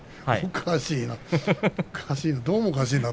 おかしいな。